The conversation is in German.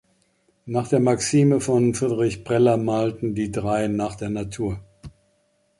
Nach der Maxime von Friedrich Preller malten die drei "nach der Natur".